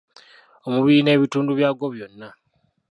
Omubiri n'ebitundu byagwo byonna.